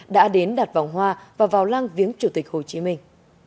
đã đến đặt vòng hoa và vào lang viếng chủ tịch hồ chí minh